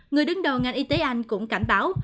người đứng đầu ngành y tế anh cũng cảnh báo